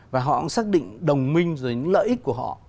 và họ cũng xác định đồng minh rồi những lợi ích của họ